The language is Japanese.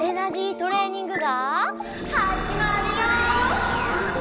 トレーニングがはじまるよ！